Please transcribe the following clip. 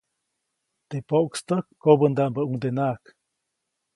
Teʼ poʼkstäk kobändaʼmbäʼuŋdenaʼak.